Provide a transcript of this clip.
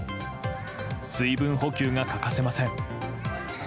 水分補給が欠かせません。